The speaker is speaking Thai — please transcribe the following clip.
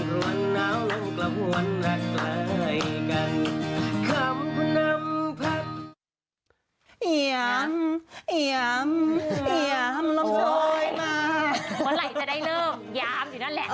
บ๊วยวันไหลจะได้เริ่มอย่าอ้ำอยู่นั่นแหละ